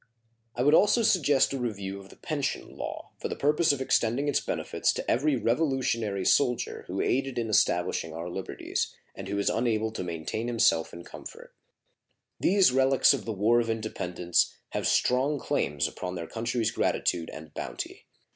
I would also suggest a review of the pension law, for the purpose of extending its benefits to every Revolutionary soldier who aided in establishing our liberties, and who is unable to maintain himself in comfort. These relics of the War of Independence have strong claims upon their country's gratitude and bounty.